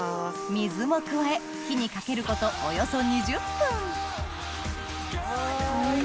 水も加え火にかけることおよそ２０分はい。